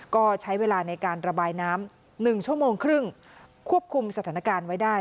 ก็ใช้เวลาในการระบายน้ำ๑ชั่วโมงครึ่งควบคุมสถานการณ์ไว้ได้